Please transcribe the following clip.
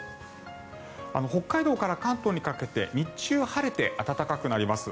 北海道から関東にかけて日中は晴れて暖かくなります。